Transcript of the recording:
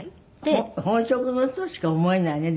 本職の人にしか思えないね。